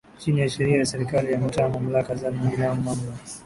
Chini ya Sheria ya Serikali za Mitaa Mamlaka za Miji namba nane